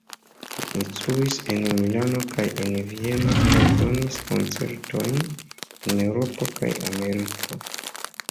Li instruis en Milano kaj en Vieno kaj donis koncertojn en Eŭropo kaj Ameriko.